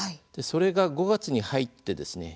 それが、５月に入ってですね